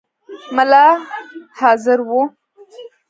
مُلا حاضر وو.